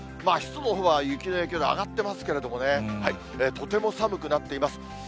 湿度のほうは雪の影響で上がっていますけれどもね、とても寒くなっています。